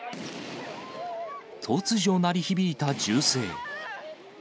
突如鳴り響いた銃声。